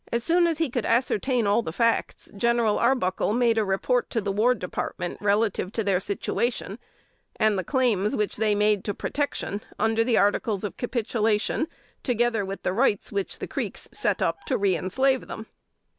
Soon as he could ascertain all the facts, General Arbuckle made report to the War Department relative to their situation, and the claims which they made to protection under the articles of capitulation, together with the rights which the Creeks set up to reënslave them.